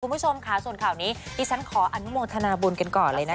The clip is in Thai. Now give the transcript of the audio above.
คุณผู้ชมค่ะส่วนข่าวนี้ดิฉันขออนุโมทนาบุญกันก่อนเลยนะคะ